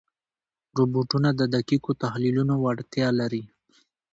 روبوټونه د دقیقو تحلیلونو وړتیا لري.